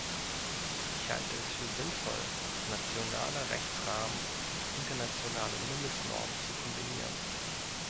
Ich halte es für sinnvoll, nationale Rechtsrahmen und internationale Mindestnormen zu kombinieren.